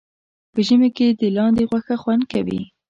په ژمي کې د لاندي غوښه خوند کوي